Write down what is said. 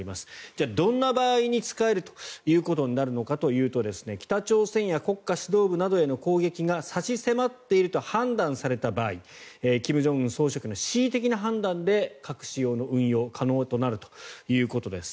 じゃあ、どんな場合に使えるということになるのかというと北朝鮮や国家指導部などへの攻撃が差し迫っていると判断された場合金正恩総書記の恣意的な判断で核使用の運用が可能となるということです。